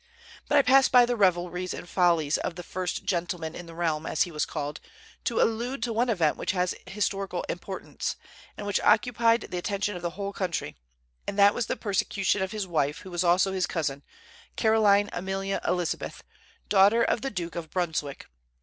But I pass by the revelries and follies of "the first gentleman" in the realm, as he was called, to allude to one event which has historical importance, and which occupied the attention of the whole country, and that was the persecution of his wife, who was also his cousin, Caroline Amelia Elizabeth, daughter of the Duke of Brunswick.